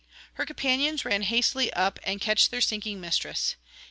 Her companions run hastily up and catch their sinking mistress.